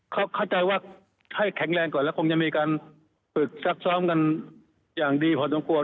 เขาเข้าใจว่าให้แข็งแรงก่อนแล้วคงจะมีการฝึกซักซ้อมกันอย่างดีพอสมควร